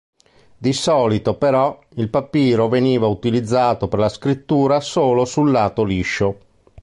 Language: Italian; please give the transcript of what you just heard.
Di solito però, il papiro veniva utilizzato per la scrittura solo sul lato liscio.